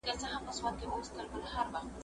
زه کتابتوننۍ سره وخت تېروولی دی